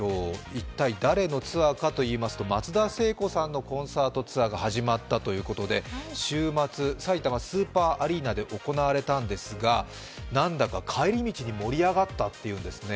一体誰のツアーかというと松田聖子さんのコンサートツアーが始まったということで週末、さいたまスーパーアリーナで行われたんですが、なんだか帰り道に盛り上がったというんですね。